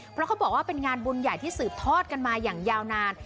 เพราะเขาบอกว่าเป็นงานบุญใหญ่ที่สืบทอดกันมาอย่างยาวนาน